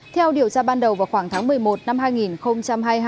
theo điều tra ban đầu vào khoảng tháng một mươi một năm hai nghìn hai mươi hai